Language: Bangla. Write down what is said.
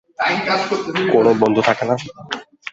কোন বন্ধু থাকে না?